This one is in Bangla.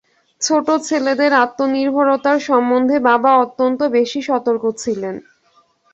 ছোটো ছেলেদের আত্মনির্ভরতার সম্বন্ধে বাবা অত্যন্ত বেশি সতর্ক ছিলেন।